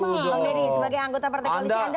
bang dedy sebagai anggota partai koalisi anda merasa